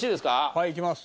はいいきます。